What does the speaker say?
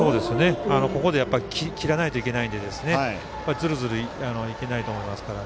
ここで切らないといけないのでズルズルいけないと思いますから。